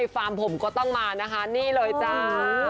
ฟาร์มผมก็ต้องมานะคะนี่เลยจ้า